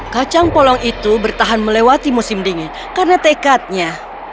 kacang polong itu bertahan melewati musim dingin karena tekadnya